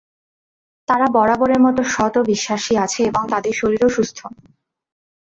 তারা বরাবরের মত সৎ ও বিশ্বাসী আছে এবং তাদের শরীরও সুস্থ।